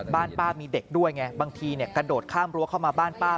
บ้านป้ามีเด็กด้วยไงบางทีกระโดดข้ามรั้วเข้ามาบ้านป้า